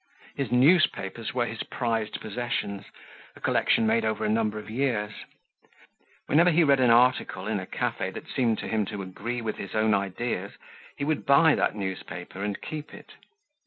His newspapers were his prized possessions, a collection made over a number of years. Whenever he read an article in a cafe that seemed to him to agree with his own ideas, he would buy that newspaper and keep it.